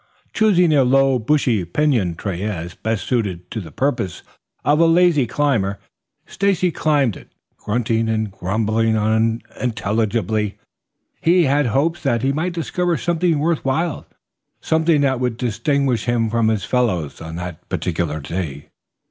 Choosing a low, bushy pinyon tree as best suited to the purposes of a lazy climber, Stacy climbed it, grunting and grumbling unintelligibly. He had hopes that he might discover something worth while, something that would distinguish him from his fellows on that particular day.